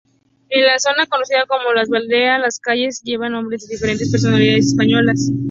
En la zona conocida como Valdebebas las calles llevan nombres de diferentes personalidades españolas.